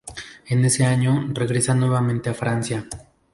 En ese año regresa nuevamente a Francia.